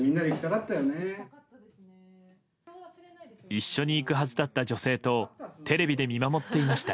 一緒に行くはずだった女性とテレビで見守っていました。